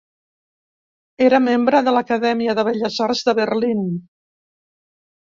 Era membre de l'Acadèmia de Belles Arts de Berlín.